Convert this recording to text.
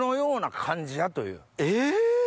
え？